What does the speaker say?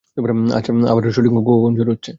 আচ্ছা, আমার শুটিং কখন শুরু হচ্ছে?